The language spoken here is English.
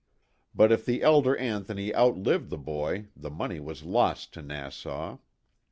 But if the elder Anthony outlived the boy the money was lost to Nassau.